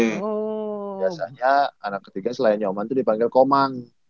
biasanya anak ketiga selain nyoman itu dipanggil komang